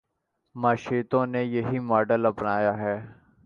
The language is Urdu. معیشتوں نے یہی ماڈل اپنایا ہے۔